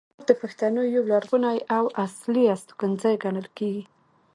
غور د پښتنو یو لرغونی او اصلي استوګنځی ګڼل کیږي